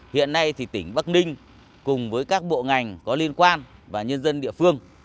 hiện nay thì tỉnh bắc ninh cùng với các bộ ngành có liên quan và nhân dân địa phương